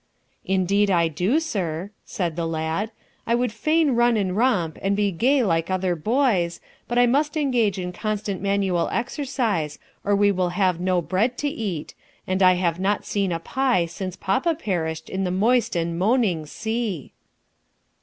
"Indeed, I do, sir," said the lad. "I would fain run and romp and be gay like other boys, but I must engage in constant manual exercise, or we will have no bread to eat, and I have not seen a pie since papa perished in the moist and moaning sea."